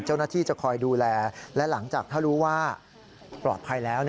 เจ้าหน้าที่จะคอยดูแลและหลังจากถ้ารู้ว่าปลอดภัยแล้ว